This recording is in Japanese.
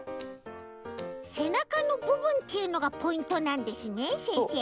せなかのぶぶんっていうのがポイントなんですねせんせい。